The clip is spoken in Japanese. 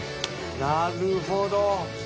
なるほど。